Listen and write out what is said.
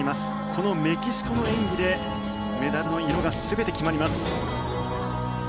このメキシコの演技でメダルの色が全て決まります。